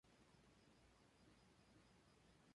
La iglesia está dedicada a san Pelayo.